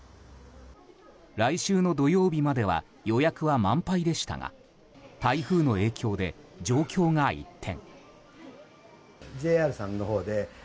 来週の土曜日までは予約は満杯でしたが台風の影響で状況が一転。